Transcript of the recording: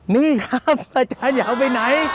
นี่ครับพระอาจารย์อย่าเอาไปไหน